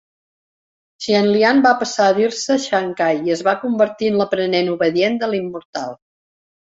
Chen Lian va passar a dir-se Shancai i es va convertir en l'aprenent obedient de l'immortal.